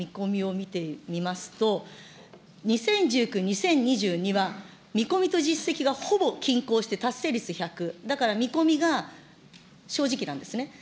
ところがこれ、令和元年から令和４年度の事業費の見込みを見てみますと、２０１９、２０２２は見込みと実績がほぼ均衡して達成率１００、だから見込みが正直なんですね。